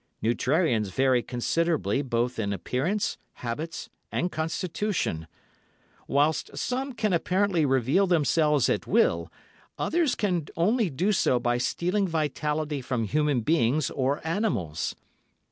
Neutrarians vary considerably both in appearance, habits and constitution. Whilst some can apparently reveal themselves at will, others can only do so by stealing vitality from human beings or animals.